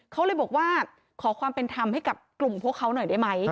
เขาเลยบอกว่าขอความเป็นธรรมให้กับกลุ่มพวกเขาหน่อยได้ไหม